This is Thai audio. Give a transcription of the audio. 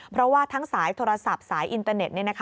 เพราะว่าทั้งสายโทรศัพท์สายอินเตอร์เน็ต